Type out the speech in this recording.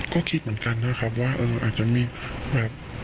ก็คิดเหมือนกันนะครับว่าอาจจะมีแบบ